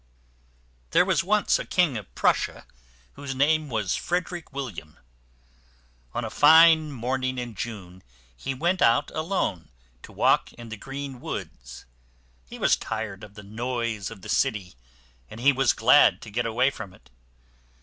There was once a king of Prussia whose name was Frederick William. On a fine morning in June he went out alone to walk in the green woods. He was tired of the noise of the city, and he was glad to get away from it.